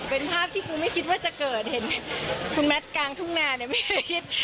เป็นภาพที่กูไม่คิดว่าจะเกิดเห็นคุณแมทกลางทุ่งนาเนี่ยไม่ได้คิด